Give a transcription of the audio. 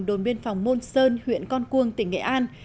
đồn biên phòng môn sơn huyện con cuông tỉnh nghệ an